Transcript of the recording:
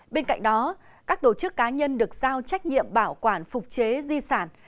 bên cạnh đó các tổ chức cá nhân được giao trách nhiệm bảo quản phục chế di sản